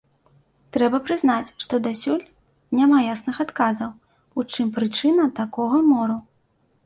Трэба прызнаць, што дасюль няма ясных адказаў, у чым прычына такога мору.